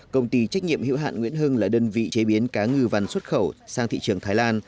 công ty trách nhiệm hữu hạn nguyễn hưng là đơn vị chế biến cá ngừ vằn xuất khẩu sang thị trường thái lan